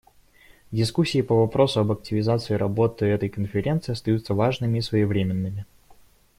Дискуссии по вопросу об активизации работы этой Конференции остаются важными и своевременными.